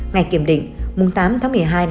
ngày kiểm định tám một mươi hai hai nghìn hai mươi một